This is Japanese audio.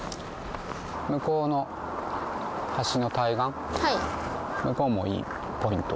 向こうの橋の対岸はい向こうもいいポイント